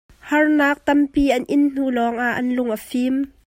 Harnak tampi an in hnu lawng ah an lung a fim .